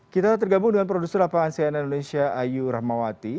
kita tergabung dengan produser lapangan cnn indonesia ayu rahmawati